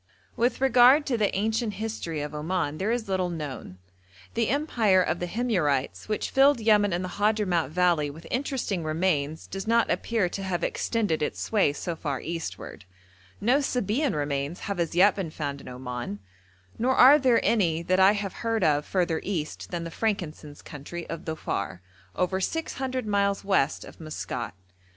With regard to the ancient history of Oman, there is little known. The empire of the Himyarites, which filled Yemen and the Hadhramout valley with interesting remains, does not appear to have extended its sway so far eastward; no Sabæan remains have as yet been found in Oman, nor are there any that I have heard of further east than the frankincense country of Dhofar, over six hundred miles west of Maskat.